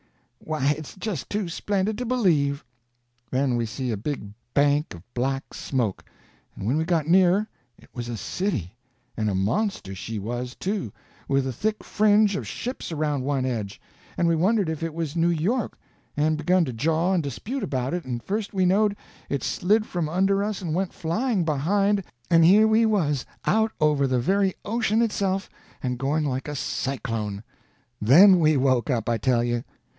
Why, it's just too splendid to believe!" Then we see a big bank of black smoke; and when we got nearer, it was a city—and a monster she was, too, with a thick fringe of ships around one edge; and we wondered if it was New York, and begun to jaw and dispute about it, and, first we knowed, it slid from under us and went flying behind, and here we was, out over the very ocean itself, and going like a cyclone. Then we woke up, I tell you!